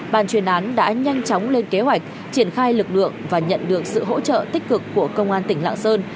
bàn chuyên án đã nhanh chóng lên kế hoạch triển khai lực lượng và nhận được sự hỗ trợ tích cực của công an tỉnh lạng sơn